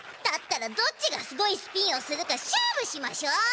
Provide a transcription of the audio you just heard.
だったらどっちがすごいスピンをするか勝負しましょ！